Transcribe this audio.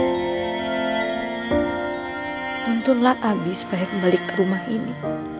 tuntunlah abi supaya kembali ke rumah ini